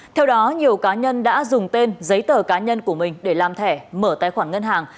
theo đó nhiều cá nhân đã dùng tên giấy tờ cá nhân của mình để làm thẻ mở tài khoản ngân hàng